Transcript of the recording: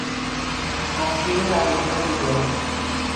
Aspiro a algú millor.